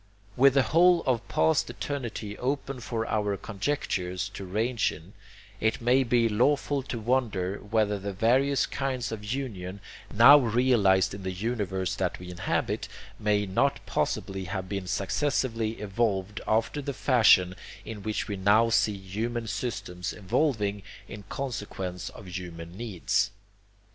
With the whole of past eternity open for our conjectures to range in, it may be lawful to wonder whether the various kinds of union now realized in the universe that we inhabit may not possibly have been successively evolved after the fashion in which we now see human systems evolving in consequence of human needs.